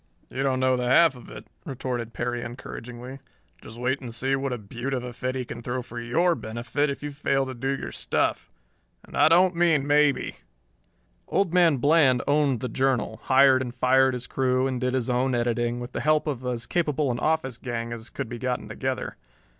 "You don't know the half of it," retorted Perry encouragingly. "Just wait and see what a beaut of a fit he can throw for your benefit if you fail to do your stuff and I don't mean maybe." Old Man Bland owned the Journal, hired and fired his crew and did his own editing, with the help of as capable an office gang as could be gotten together.